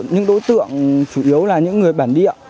những đối tượng chủ yếu là những người bản địa